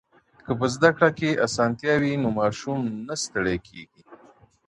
که په زده کړه کي اسانتیا وي نو ماشوم نه ستړی کيږي.